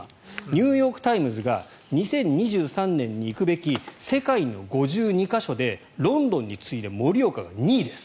ニューヨーク・タイムズが２０２３年に行くべき世界の５２か所でロンドンに次いで盛岡が２位です。